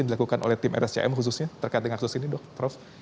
yang dilakukan oleh tim rscm khususnya terkait dengan kasus ini prof